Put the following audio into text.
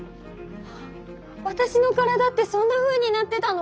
わたしの体ってそんなふうになってたの！？